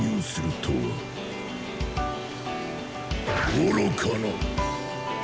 愚かな！